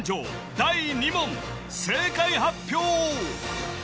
第２問正解発表！